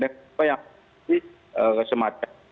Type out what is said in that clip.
dan apa yang disediakan semacam